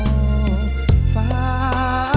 ไม่ใช้